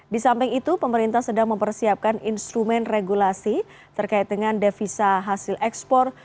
di samping itu pemerintah sedang mempersiapkan instrumen regulasi terkait dengan devisa hasil ekspor